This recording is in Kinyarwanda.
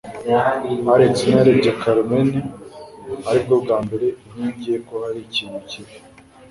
Alex ntiyarebye Carmen, aribwo bwa mbere inkingi ye ko hari ikintu kibi.